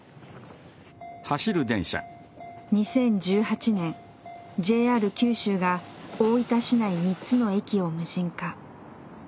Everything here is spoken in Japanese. ２０１８年ＪＲ九州が大分市内３つの駅を無人化。